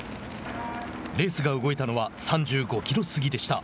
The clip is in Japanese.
レースが動いたのは３５キロ過ぎでした。